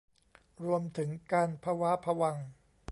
รวมถึงการพะว้าพะวัง